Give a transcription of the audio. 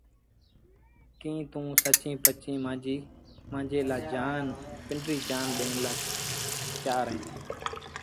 ڪيٚ توٚنٚ سچيٚݩ پچيٚݩ مآݩجي لآ پنڊريٚ جآن ڏيڻ لآ تيآر اهينٚ؟